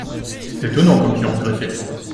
c’est étonnant comme tu as engraissé !